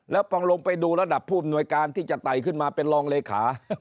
แล้วพอลงไปดูระดับผู้อำนวยการที่จะไต่ขึ้นมาเป็นรองเลขา